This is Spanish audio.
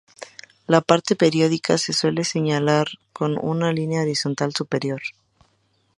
La parte periódica se suele señalar con una línea horizontal superior.